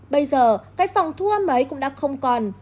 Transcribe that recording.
bây giờ cái phòng thu âm ấy cũng đã không còn